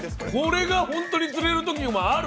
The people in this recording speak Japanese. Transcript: これが本当に釣れる時もある？